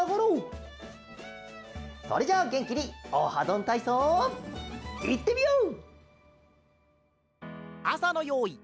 それじゃあげんきに「オハどんたいそう」いってみよう！